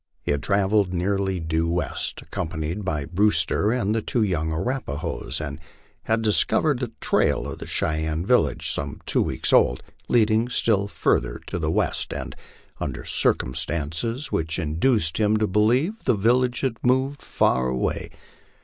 He had travelled nearly due west, accompanied by Brewster and the two young Arapahoes, and had discovered a trail of the Cheyenne village some two weeks old, leading still further to the west, and under circumstances which induced him to believe the village had 230 MY LIFE ON THE PLAINS. moved far away.